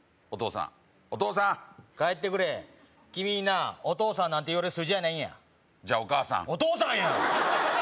お義父さんお義父さん帰ってくれ君になお義父さんなんて言われる筋合いないんやじゃあお義母さんお義父さんや！